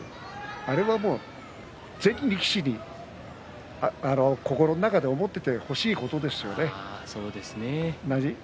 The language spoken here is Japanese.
あれは全力士に心の中で思っていてほしいですよね。